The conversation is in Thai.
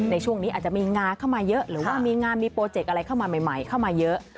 ในช่วงนี้อาจจะมีงาเข้ามาเยอะหรือว่ามีงานมีโปรเจกต์อะไรเข้ามาใหม่เข้ามาเยอะ